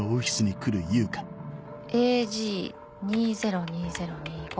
「ＡＧ２０２０２５」。